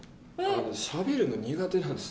しゃべるの、苦手なんです。